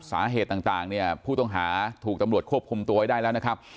สาเหตุต่างเนี่ยผู้ต้องหาถูกตำรวจควบคุมตัวไว้ได้แล้วนะครับ